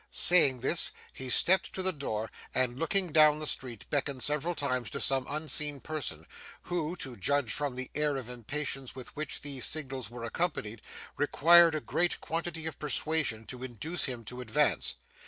Saying this, he stepped to the door, and looking down the street beckoned several times to some unseen person, who, to judge from the air of impatience with which these signals were accompanied, required a great quantity of persuasion to induce him to advance.